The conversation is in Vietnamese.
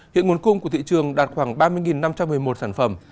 hiện nguồn cung của thị trường đạt khoảng ba mươi năm trăm một mươi một sản phẩm